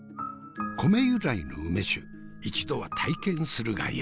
米由来の梅酒一度は体験するがよい。